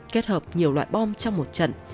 kết hợp nhiều loại bom trong một trận